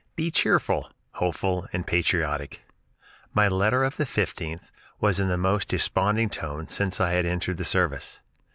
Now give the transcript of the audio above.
Be cheerful, hopeful and patriotic." My letter of the 15th was in the most desponding tone since I had entered the service.